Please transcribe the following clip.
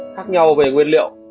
khác nhau về nguyên liệu